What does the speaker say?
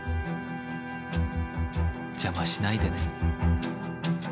邪魔しないでね。